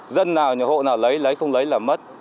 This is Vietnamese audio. dân nào hộ nào lấy lấy không lấy là mất